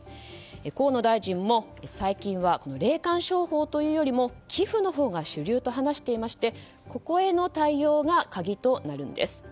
河野大臣も最近は霊感商法というよりも寄付のほうが主流と話していましてここへの対応が鍵となるんです。